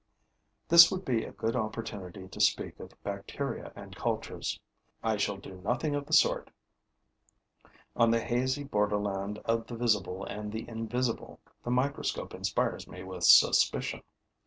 This would be a good opportunity to speak of bacteria and cultures. I shall do nothing of the sort. On the hazy borderland of the visible and the invisible, the microscope inspires me with suspicion.